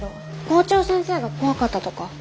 校長先生が怖かったとか？